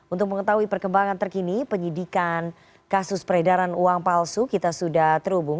untuk mengetahui perkembangan terkini penyidikan kasus peredaran uang palsu kita sudah terhubung